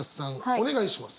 お願いします。